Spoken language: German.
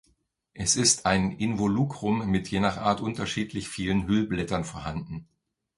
Es ist ein Involucrum mit je nach Art unterschiedlich vielen Hüllblättern vorhanden.